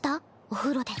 お風呂で。